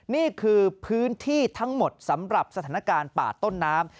นี่คือพื้นที่ทั้งหมดสำหรับสถานการณ์ป่าต้นน้ำ